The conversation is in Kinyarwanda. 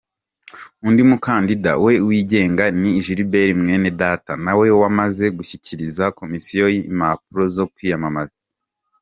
Undi mukandida, we wigenga ni Gilbert Mwenedata nawe wamaze gushyikiriza Komisiyo impapuro zo kwiyamamaza.